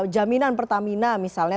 jaminan pertamina misalnya